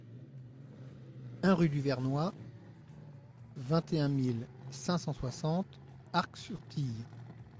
un rue du Vernoy, vingt et un mille cinq cent soixante Arc-sur-Tille